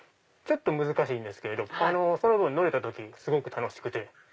ちょっと難しいんですけれどその分乗れた時すごく楽しくて。